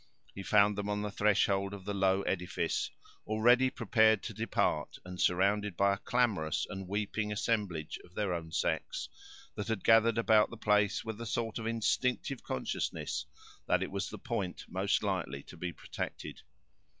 He found them on the threshold of the low edifice, already prepared to depart, and surrounded by a clamorous and weeping assemblage of their own sex, that had gathered about the place, with a sort of instinctive consciousness that it was the point most likely to be protected.